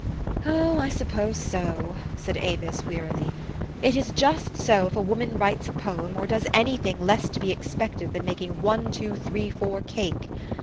"Oh! I suppose so," said Avis wearily. "It is just so if a woman writes a poem, or does any thing less to be expected than making One Two Three Four Cake.